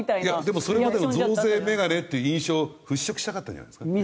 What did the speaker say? でもそれまでの増税眼鏡っていう印象を払拭したかったんじゃないですか？